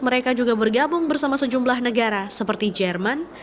mereka juga bergabung bersama sejumlah negara seperti jerman